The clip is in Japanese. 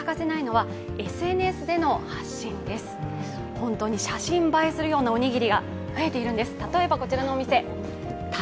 本当に写真映えするようなおにぎりが増えているんです。